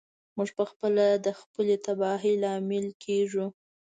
موږ پخپله د خپلې تباهۍ لامل کیږو.